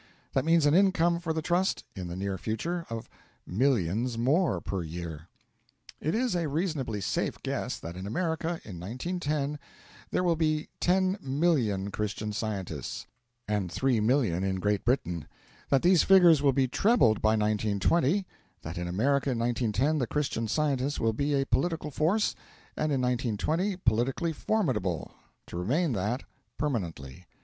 That means an income for the Trust in the near future of millions more per year. It is a reasonably safe guess that in America in 1910 there will be 10,000,000 Christian Scientists, and 3,000,000 in Great Britain; that these figures will be trebled by 1920; that in America in 1910 the Christian Scientists will be a political force, in 1920 politically formidable to remain that, permanently.